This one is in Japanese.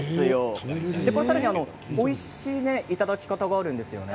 おいしいいただき方があるんですよね。